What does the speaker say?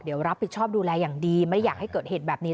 เดี๋ยวรับผิดชอบดูแลอย่างดีไม่อยากให้เกิดเหตุแบบนี้